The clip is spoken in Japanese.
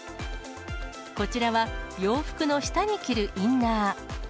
こちらは洋服の下に着るインナー。